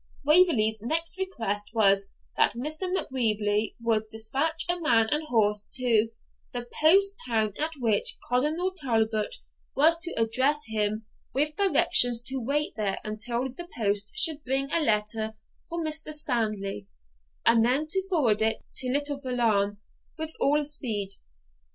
Waverley's next request was, that Mr. Macwheeble would despatch a man and horse to , the post town at which Colonel Talbot was to address him, with directions to wait there until the post should bring a letter for Mr. Stanley, and then to forward it to Little Veolan with all speed.